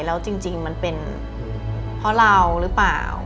แล้วจริงมันเป็นเพราะเราหรือเปล่า